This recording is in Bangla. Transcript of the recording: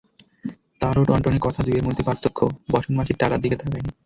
তারও টনটনে কথা দুইয়ের মধ্যে পার্থক্য, বসন মাসির টাকার দিকে তাকায়নি।